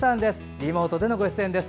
リモートでのご出演です。